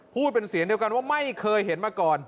พูดเป็นเสียงเดียวกันว่าไม่เคยเห็นมาก่อน